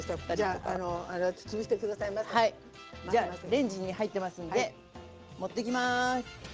レンジに入ってますんで持ってきます。